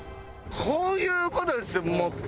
こういう事ですよ。